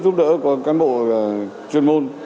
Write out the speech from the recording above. giúp đỡ của cán bộ chuyên môn